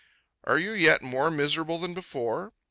Are you yet more miserable than before?